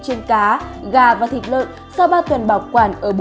trên cá gà và thịt lợn sau ba tuần bảo quản ở